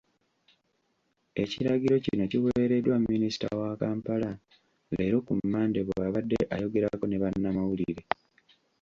Ekiragiro kino kiweereddwa Minisita wa Kampala, leero ku Mmande, bw'abadde ayogerako ne bannamawulire.